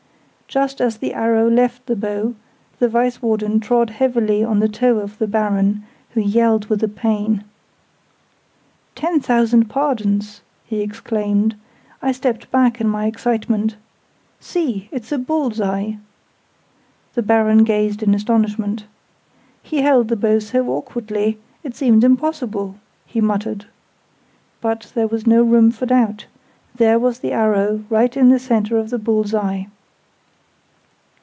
Just as the arrow left the bow, the Vice Warden trod heavily on the toe of the Baron, who yelled with the pain. "Ten thousand pardons!" he exclaimed. "I stepped back in my excitement. See! It is a bull's eye!" The Baron gazed in astonishment. "He held the bow so awkwardly, it seemed impossible!" he muttered. But there was no room for doubt: there was the arrow, right in the centre of the bull's eye!